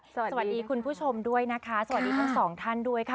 สวัสดีคุณผู้ชมด้วยนะคะสวัสดีทั้งสองท่านด้วยค่ะ